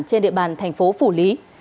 trên địa bàn thành phố phủ lý